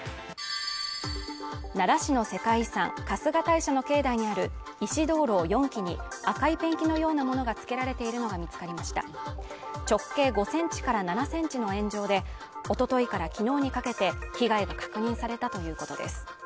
奈良市の世界遺産春日大社の境内にある石燈籠４基に赤いペンキのようなものがつけられているのが見つかりました直径５センチから７センチの円状でおとといからきのうにかけて被害が確認されたということです